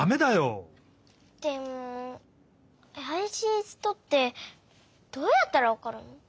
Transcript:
でもあやしい人ってどうやったらわかるの？